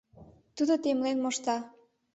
Тудо темлен мошта.